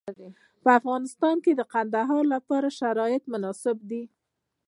په افغانستان کې د کندهار لپاره شرایط مناسب دي.